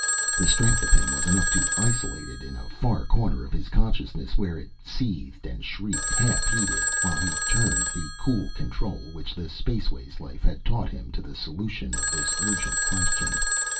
The strength of him was enough to isolate it in a far corner of his consciousness, where it seethed and shrieked half heeded while he turned the cool control which the spaceways life had taught him to the solution of this urgent question.